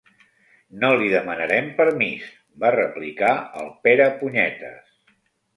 No li demanarem permís —va replicar el Perepunyetes—.